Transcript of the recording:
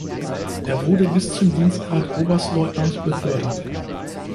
Er wurde bis zum Dienstgrad Oberstleutnant befördert.